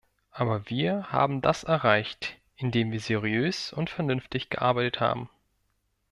Aber wir haben das erreicht, indem wir seriös und vernünftig gearbeitet haben.